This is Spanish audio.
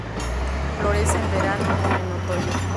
Florece en verano o en otoño.